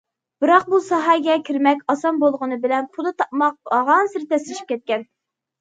بىراق، بۇ ساھەگە كىرمەك ئاسان بولغىنى بىلەن، پۇل تاپماق بارغانسېرى تەسلىشىپ كەتكەن.